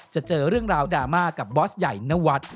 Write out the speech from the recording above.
เจอเรื่องราวดราม่ากับบอสใหญ่นวัด